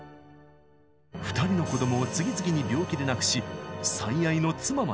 ２人の子どもを次々に病気で亡くし最愛の妻までも。